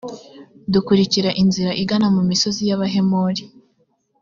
dukurikira inzira igana mu misozi y’abahemori